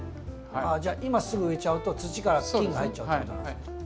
じゃあ今すぐ植えちゃうと土から菌が入っちゃうってことなんですか。